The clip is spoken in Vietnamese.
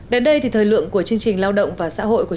những người đã được hỗ trợ học nghề theo chính sách của đế án này